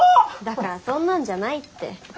だからそんなんじゃないって。